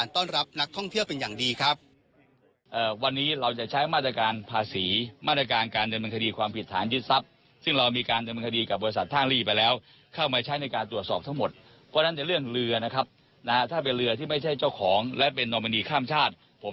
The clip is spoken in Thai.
แต่ว่าภธิกษาตอบต้องดูแลกับให้พันธาปัญหาธาปันที่เขามา